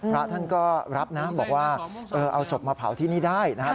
พระท่านก็รับนะบอกว่าเอาศพมาเผาที่นี่ได้นะครับ